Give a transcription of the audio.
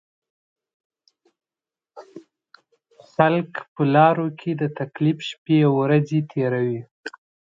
خلک په لارو کې د تکلیف شپېورځې تېروي.